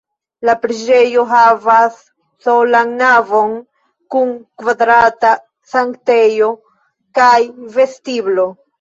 La preĝejo havas solan navon kun kvadrata sanktejo kaj vestiblo.